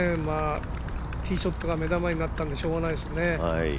ティーショットが目玉になったんでしょうがないですね。